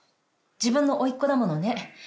自分のおいっ子だものね。